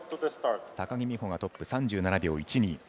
高木美帆がトップ、３７秒１２。